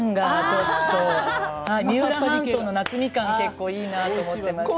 三浦半島の夏みかんが結構いいなと思っています。